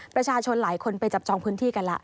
ประชาชนหลายคนไปจับจองพื้นที่กันแล้ว